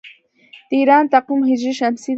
د ایران تقویم هجري شمسي دی.